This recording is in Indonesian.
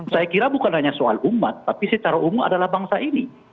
saya kira bukan hanya soal umat tapi secara umum adalah bangsa ini